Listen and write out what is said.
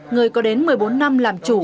người có đến một mươi bốn năm làm chủ